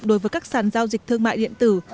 đối với các sàn giao dịch thương mại điện tử